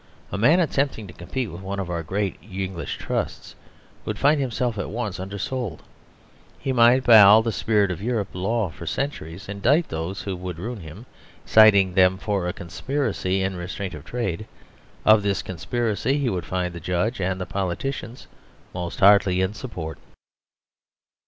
A man attempting to compete with one of our great English Trusts would find him self at once undersold. He might, by all the spirit of European law for centuries, indict those who would ruin him, citing them for a conspiracy in restraint of trade; of this conspiracy he would find the judge and the politicians most heartily in support.